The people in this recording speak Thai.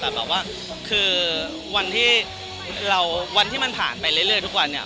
แต่แบบว่าคือวันที่เราวันที่มันผ่านไปเรื่อยทุกวันเนี่ย